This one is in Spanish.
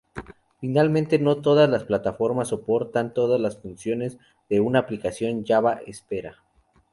Finalmente, no todas las plataformas soportan todas las funciones que una aplicación Java espera.